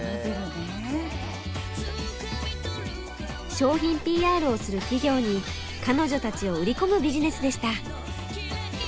商品ＰＲをする企業に彼女たちを売り込むビジネスでした。